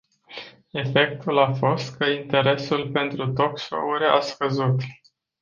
Efectul a fost că interesul pentru talk show-uri a scăzut.